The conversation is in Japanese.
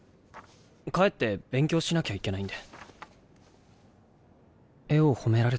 帰って勉強しなきゃいけないんで。